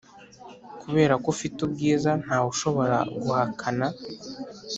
kuberako ufite ubwiza ntawushobora guhakana.